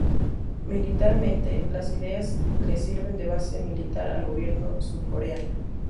Militarmente, las islas le sirven de base militar al gobierno surcoreano.